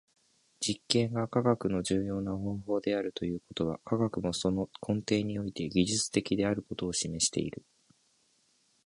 実験が科学の重要な方法であるということは、科学もその根底において技術的であることを示している。